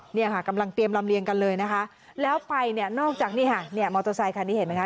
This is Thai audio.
เนี่ยค่ะกำลังเตรียมลำเลียงกันเลยนะคะแล้วไปเนี่ยนอกจากนี่ค่ะเนี่ยมอเตอร์ไซคันนี้เห็นไหมคะ